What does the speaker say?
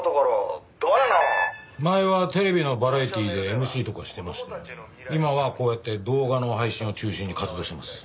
前はテレビのバラエティーでＭＣとかしてましたけど今はこうやって動画の配信を中心に活動してます。